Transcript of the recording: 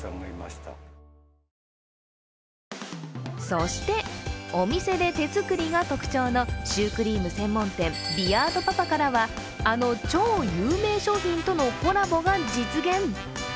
そして、お店で手作りが特徴のシュークリーム専門店、ビアードパパからは、あの超有名商品とのコラボが実現。